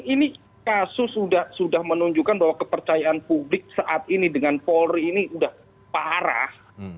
ini kasus sudah menunjukkan bahwa kepercayaan publik saat ini dengan polri ini sudah parah